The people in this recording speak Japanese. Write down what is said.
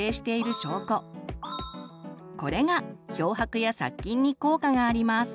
これが漂白や殺菌に効果があります。